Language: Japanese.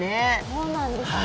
そうなんですね。